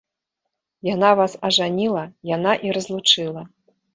Яна вас ажаніла, яна і разлучыла.